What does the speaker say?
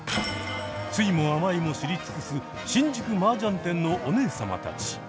酸いも甘いも知り尽くす新宿マージャン店のお姉様たち。